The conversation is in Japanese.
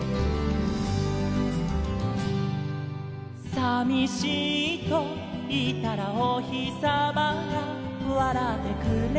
「さみしいといったらおひさまがわらってくれた」